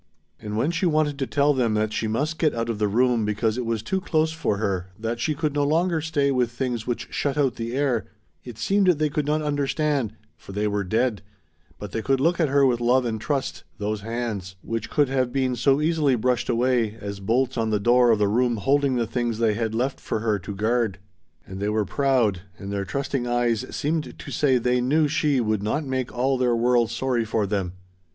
And when she wanted to tell them that she must get out of the room because it was too close for her, that she could no longer stay with things which shut out the air, it seemed they could not understand for they were dead, but they could look at her with love and trust, those hands, which could have been so easily brushed away, as bolts on the door of the room holding the things they had left for her to guard. And they were proud, and their trusting eyes seemed to say they knew she would not make all their world sorry for them.